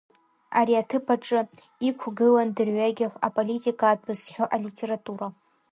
Ари аҭыԥ аҿы иқәгылан дырҩагьых аполитика атәы зҳәо алитература.